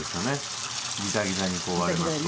ギザギザにこうありますと。